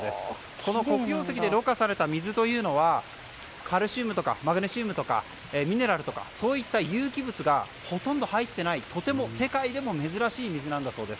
この黒曜石でろ過された水というのはカルシウムとかマグネシウムとかミネラルとかそういった有機物がほとんど入っていない世界でも珍しい水なんだそうです。